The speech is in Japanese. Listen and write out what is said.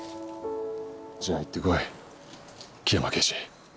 じゃあ行って来い樹山刑事。